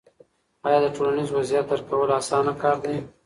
آیا د ټولنیز وضعیت درک کول اسانه کار دی؟